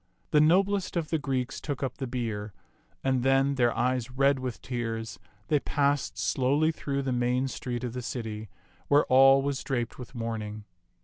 The noblest of the Greeks took up the bier, and then, their eyes red with tears, they passed slowly through the main street of the city, where all was draped with mourn ing.